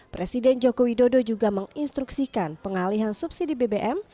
presiden joko widodo juga menginstruksikan pengalihan subsidi bbm